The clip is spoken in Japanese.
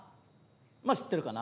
まあ知ってるかな。